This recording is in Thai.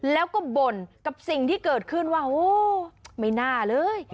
แล้วก็บ่นกับสิ่งที่เกิดขึ้นว่าโอ้ไม่น่าเลย